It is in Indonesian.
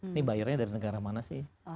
ini bayarnya dari negara mana sih